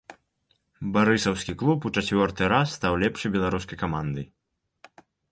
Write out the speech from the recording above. Барысаўскі клуб у чацвёрты раз стаў лепшай беларускай камандай.